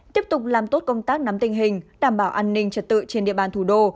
tiếp tục làm tốt công tác nắm tình hình đảm bảo an ninh trật tự trên địa bàn thủ đô